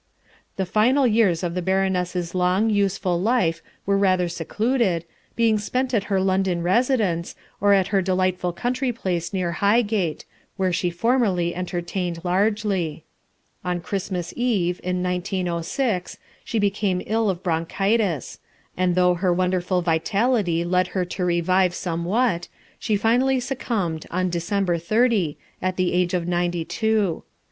The final years of the Baroness' long, useful life were rather secluded, being spent at her London residence, or at her delightful country place near Highgate, where she formerly entertained largely. On Christmas Eve, in 1906, she became ill of bronchitis, and though her wonderful vitality led her to revive somewhat, she finally succumbed on December 30, at the age of ninety two.